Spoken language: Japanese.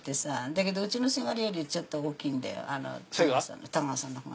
だけどうちのせがれよりちょっと大きいんだよ太川さん。